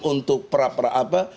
untuk perapra apa